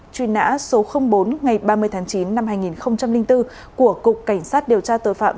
truy nã số bốn ngày ba mươi tháng chín năm hai nghìn bốn của cục cảnh sát điều tra tội phạm